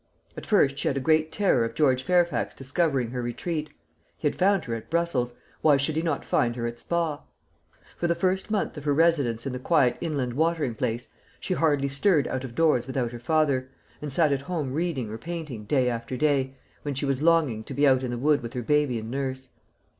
At first she had a great terror of George Fairfax discovering her retreat. He had found her at Brussels; why should he not find her at Spa? For the first month of her residence in the quiet inland watering place she hardly stirred out of doors without her father, and sat at home reading or painting day after day, when she was longing to be out in the wood with her baby and nurse.